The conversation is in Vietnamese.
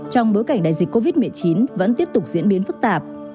trong bối cảnh đại dịch covid một mươi chín vẫn tiếp tục diễn biến phức tạp